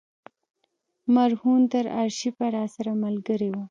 مرهون تر آرشیفه راسره ملګری و.